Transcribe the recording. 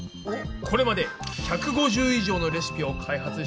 これまで１５０以上のレシピを開発してきたくぼ田さん。